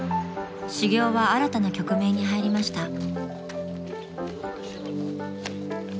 ［修業は新たな局面に入りました］